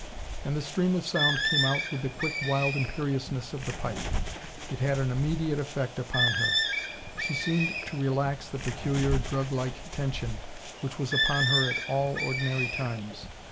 And the stream of sound came out with the quick wild imperiousness of the pipe. It had an immediate effect on her. She seemed to relax the peculiar, drug like tension which was upon her at all ordinary times.